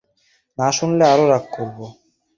না শুনলে আরো রাগ করব।